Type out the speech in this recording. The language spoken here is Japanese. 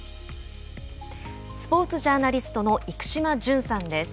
スポーツジャーナリストの生島淳さんです。